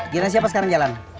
giliran siapa sekarang jalan